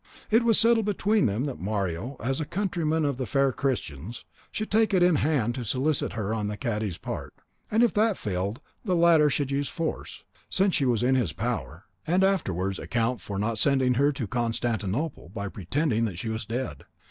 It was settled between them that Mario, as a countryman of the fair Christian's, should take it in hand to solicit her on the cadi's part; and that if that failed, the latter should use force, since she was in his power, and afterwards account for not sending her to Constantinople by pretending that she was dead.